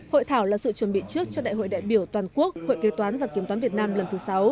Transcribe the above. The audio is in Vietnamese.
hội thảo là sự chuẩn bị trước cho đại hội đại biểu toàn quốc hội kế toán và kiểm toán việt nam lần thứ sáu